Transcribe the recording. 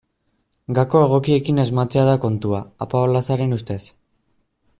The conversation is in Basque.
Gako egokiekin asmatzea da kontua, Apaolazaren ustez.